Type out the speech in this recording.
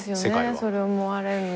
それ思われるの。